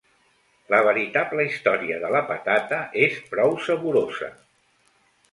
La veritable història de la patata és prou saborosa.